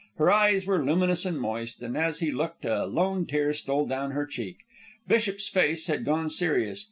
Her eyes were luminous and moist, and, as he looked, a lone tear stole down her cheek. Bishop's face had gone serious.